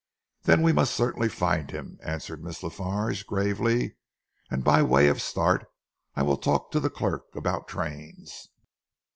"Then we must certainly find him," answered Miss La Farge gravely. "And by way of a start, I will talk to the clerk about trains."